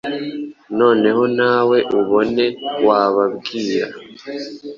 noneho nawe ubone wababwira.